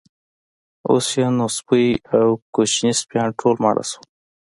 اوس یې نو سپۍ او کوچني سپیان ټول ماړه شول.